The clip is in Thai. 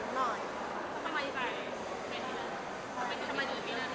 ทำไมรู้มีนั่น